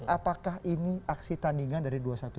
apakah ini aksi tandingan dari dua ratus dua belas